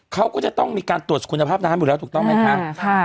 เขาก็จะต้องมีการตรวจคุณภาพน้ำอยู่แล้วถูกต้องไหมคะ